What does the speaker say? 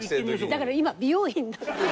だから今美容院になってる。